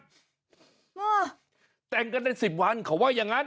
ฮึแต่งกันได้สิบวันเขาว่าอย่างนั้น